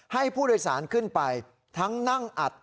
ให้ผู้โดยสารขึ้นไปทั้งนั่งอัด